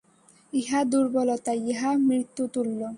ইহা দুর্বলতা, ইহা মৃত্যুতুল্য।